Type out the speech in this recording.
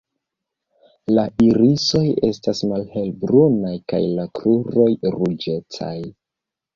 La irisoj estas malhelbrunaj kaj la kruroj ruĝecaj.